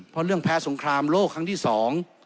เพราะเรื่องแพ้สงครามโลกครั้งที่สอง